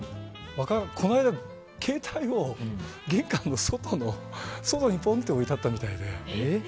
この間、携帯を玄関の外にポンと置いてあったみたいで。